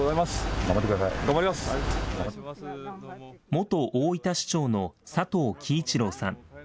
元大分市長の佐藤樹一郎さん。